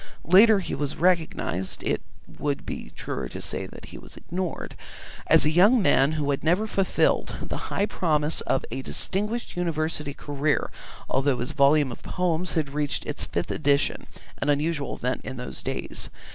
Later he was recognised it would be truer to say he was ignored as a young man who had never fulfilled the high promise of a distinguished university career although his volume of Poems had reached its fifth edition, an unusual event in those days.